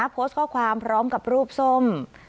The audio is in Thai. โพสต์ข้อความพร้อมกับรูปส้ม